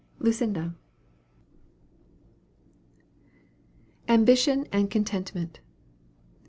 '" LUCINDA. AMBITION AND CONTENTMENT.